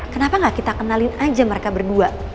kenapa gak kita kenalin aja mereka berdua